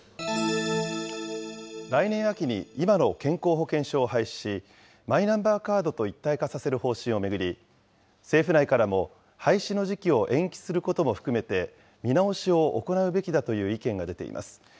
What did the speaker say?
来年秋に今の健康保険証を廃止し、マイナンバーカードと一体化させる方針を巡り、政府内からも廃止の時期を延期することも含めて見直しを行うべきだという意見が出ています。